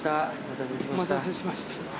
お待たせしました。